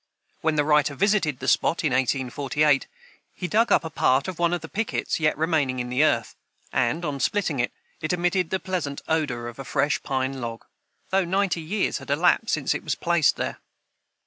When the writer visited the spot in 1848, he dug up the part of one of the pickets yet remaining in the earth, and, on splitting it, it emitted the pleasant odor of a fresh pine log, though ninety years had elapsed since it was placed there.